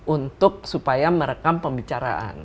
untuk supaya merekam pembicaraan